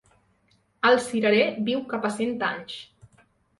El cirerer viu cap a cent anys.